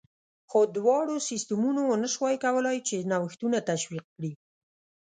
خو دواړو سیستمونو ونه شوای کولای چې نوښتونه تشویق کړي